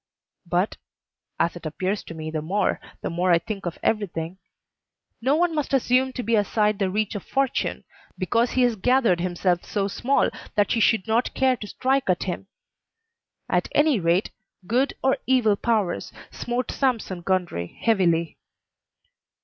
But (as it appears to me the more, the more I think of every thing) no one must assume to be aside the reach of Fortune because he has gathered himself so small that she should not care to strike at him. At any rate, good or evil powers smote Sampson Gundry heavily.